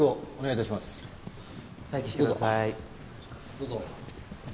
どうぞ。